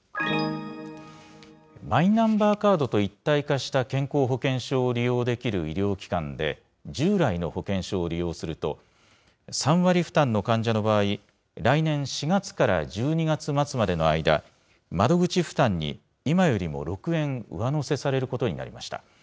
マイナンバーカードと一体化した健康保険証を利用できる医療機関で、従来の保険証を利用すると、３割負担の患者の場合、来年４月から１２月末までの間、窓口負担に今よりも６円上乗せされることになりました。